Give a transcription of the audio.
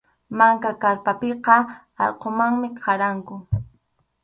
Manka kʼarpapiqa allqumanmi qaranku.